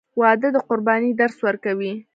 • واده د قربانۍ درس ورکوي.